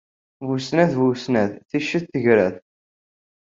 Bu snat bu snat, tict treg-at.